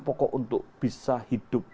pokok untuk bisa hidup